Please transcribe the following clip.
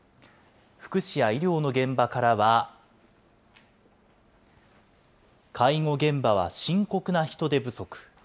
福祉や医療の現場からは、介護現場は深刻な人手不足。